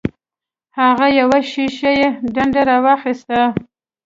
هغه یوه شیشه یي ډنډه راواخیسته.